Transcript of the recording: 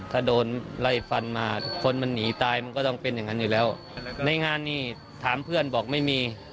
ถ้าโดนไล่ฟันมาคนมันหนีตายมันก็ต้องเป็นอย่างนั้นอยู่แล้วในงานนี้ถามเพื่อนบอกไม่มี